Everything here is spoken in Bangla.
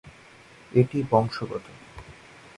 এটি বংশগত।